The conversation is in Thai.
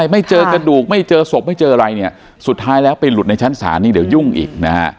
ไม่เจอกระดูกไม่เจอศพไม่เจออะไรเนี่ยสุดท้ายแล้วไปหลุดในชั้นศาลนี้เดี๋ยวยุ่งอีกนะฮะ